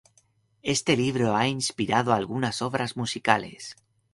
Este libro ha inspirado algunas obras musicales.